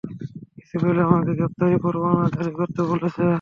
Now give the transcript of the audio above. কিছু পেলে আমাকে গ্রেপ্তারি পরোয়ানাও জারি করতে বলেছে।